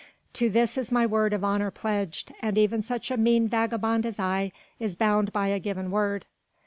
To this is my word of honour pledged and even such a mean vagabond as I is bound by a given word."